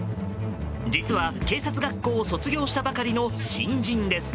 実は、警察学校を卒業したばかりの新人です。